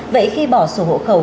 vậy khi bỏ sổ hộ khẩu